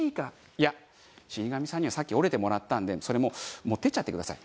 いや死神さんにはさっき折れてもらったんでそれもう持っていっちゃってください。